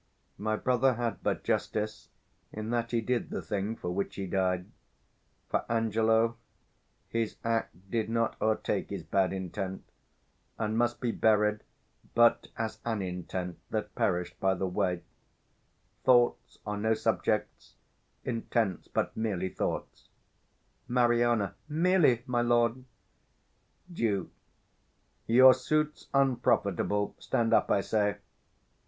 My brother had but justice, In that he did the thing for which he died: For Angelo, His act did not o'ertake his bad intent; And must be buried but as an intent 450 That perish'd by the way: thoughts are no subjects; Intents, but merely thoughts. Mari. Merely, my lord. Duke. Your suit's unprofitable; stand up, I say.